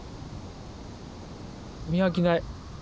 見飽きない。